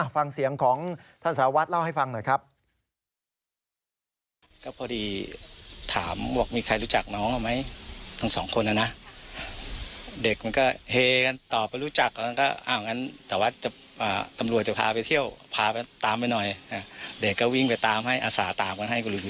ฟังเสียงของท่านสารวัตรเล่าให้ฟังหน่อยครับ